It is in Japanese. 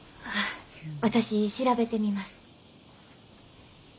私調べてみます。